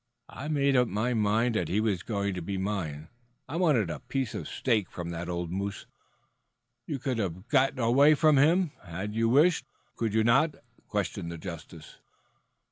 I made up my mind that he was going to be mine. I wanted a piece of steak from that old moose." "You could have got away from him, had you wished, could you not?" questioned the justice.